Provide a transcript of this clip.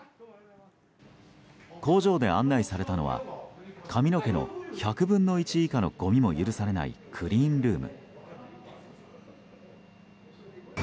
工場で案内されたのは髪の毛の１００分の１以下のごみも許されないクリーンルーム。